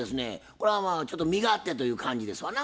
これはまあ身勝手という感じですわな。